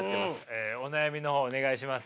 えお悩みの方お願いします。